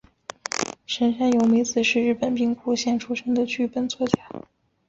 神山由美子是日本兵库县出身的剧本作家。